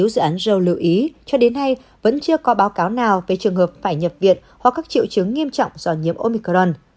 dự án jos lưu ý cho đến nay vẫn chưa có báo cáo nào về trường hợp phải nhập viện hoặc các triệu chứng nghiêm trọng do nhiễm omicron